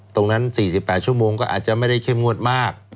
ตรงนั้น๔๘ชั่วโมงก็อาจจะไม่ได้เข้มงวดมาก